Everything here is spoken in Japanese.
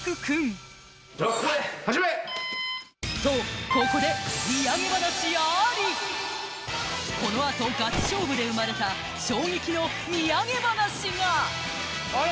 とここでこのあとガチ勝負で生まれた衝撃のみやげ話が・あれ？